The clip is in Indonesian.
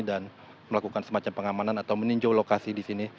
dan melakukan semacam pengamanan atau meninjau lokasi di sini